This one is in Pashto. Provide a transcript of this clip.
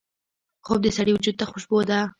خوب د سړي وجود ته خوشبو ده